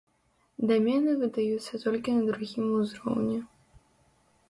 Дамены выдаюцца толькі на другім узроўні.